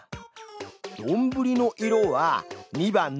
どんぶりの色は２番の青！